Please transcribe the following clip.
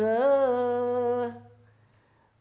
tretan dibidari medure